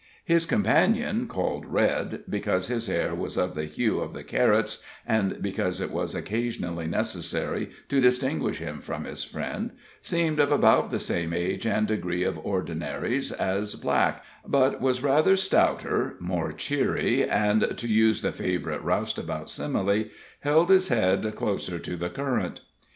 His companion, called Red, because his hair was of the hue of the carrots, and because it was occasionally necessary to distinguish him from his friend, seemed of about the same age and degree of ordinaries as Black, but was rather stouter, more cheery, and, to use the favorite roustabout simile, held his head closer to the current.